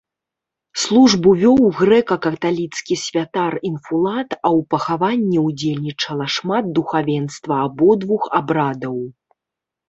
Службу вёў грэка-каталіцкі святар-інфулат, а ў пахаванні ўдзельнічала шмат духавенства абодвух абрадаў.